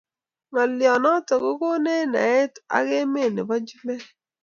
ngaliot niton kokonech naiet ak emet nebo chumbek